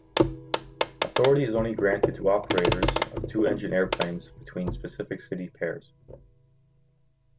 Authority is only granted to operators of two-engine airplanes between specific city pairs.